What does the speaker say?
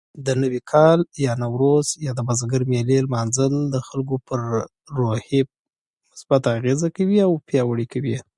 دا نوي کال يا نوروز يا د بزګر ملي لمانځل خلکو په روخي مثبت اغېزه کوي او پياوړي کوي يي